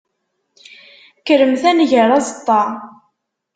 Kremt ad nger aẓeṭṭa.